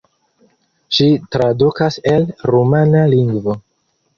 Ŝi tradukas el rumana lingvo.